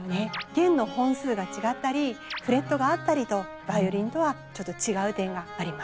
弦の本数が違ったりフレットがあったりとヴァイオリンとはちょっと違う点があります。